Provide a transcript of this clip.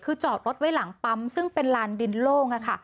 คือจอดรถไว้หลังปั๊มซึ่งเป็นลานดินโล่ง